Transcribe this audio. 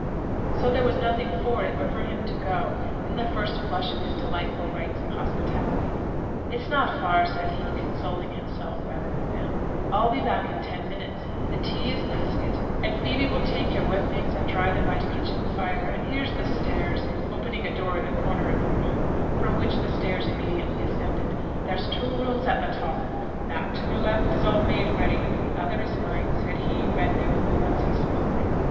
So there was nothing for it but for him to go, in the first flush of his delightful rites of hospitality. 'It's not far,' said he, consoling himself rather than them. 'I'll be back in ten minutes, the tea is maskit, and Phoebe will take yo'r wet things and dry 'em by t' kitchen fire; and here's the stairs,' opening a door in the corner of the room, from which the stairs immediately ascended. 'There's two rooms at the top; that to t' left is all made ready, t' other is mine,' said he, reddening a little as he spoke.